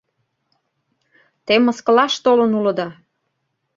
Те мыскылаш толын улыда!..